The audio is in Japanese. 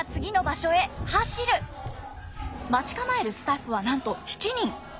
待ち構えるスタッフはなんと７人。